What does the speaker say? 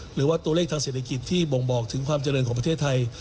หรือว่าตัวเลขทางเศรษฐกิจที่บ่งบอกถึงความเจริญของประเทศไทย